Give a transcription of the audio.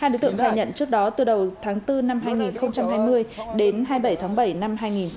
hai đối tượng khai nhận trước đó từ đầu tháng bốn năm hai nghìn hai mươi đến hai mươi bảy tháng bảy năm hai nghìn hai mươi